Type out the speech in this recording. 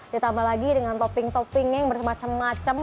ditambah lagi dengan topping topping yang bermacam macam